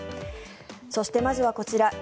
そして、まずはこちら。